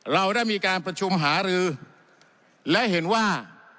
เราได้มีการประชุมหารือและเห็นว่า